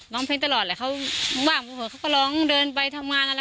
ร้องเพลงตลอดเลยเขามุ่งบ้างมุ่งห่วงเขาก็ร้องเดินไปทำงานอะไร